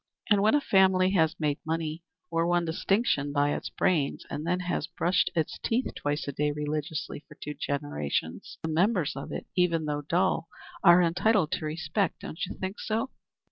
And when a family has made money or won distinction by its brains and then has brushed its teeth twice a day religiously for two generations, the members of it, even though dull, are entitled to respect, don't you think so?"